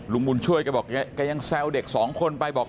บุญช่วยแกบอกแกยังแซวเด็กสองคนไปบอก